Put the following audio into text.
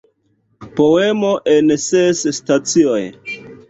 Poemo en ses stacioj".